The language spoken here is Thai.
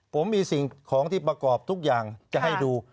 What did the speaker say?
ผมมีสิ่งของที่ประกอบทุกอย่างจะให้ดู